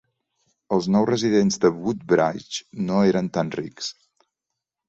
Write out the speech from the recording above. Els nou residents de Woodbridge no eren tan rics.